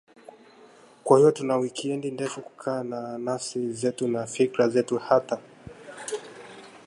Kwa hiyo tuna wikiendi ndefu kukaa na nafsi zetu na fikra zetu tata